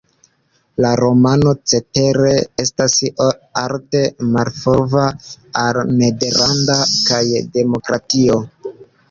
La romano, cetere, estas arde malfavora al Nederlando kaj demokratio.